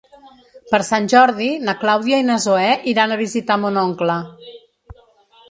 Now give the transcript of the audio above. Per Sant Jordi na Clàudia i na Zoè iran a visitar mon oncle.